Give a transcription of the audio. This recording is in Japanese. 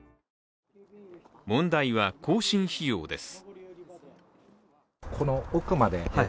問題は更新費用です。